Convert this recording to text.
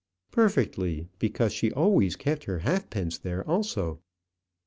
"Perfectly; because she always kept her halfpence there also.